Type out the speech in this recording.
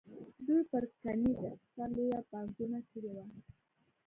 دوی پر کرنیز اقتصاد لویه پانګونه کړې وه.